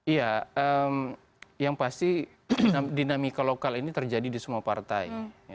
iya yang pasti dinamika lokal ini terjadi di semua partai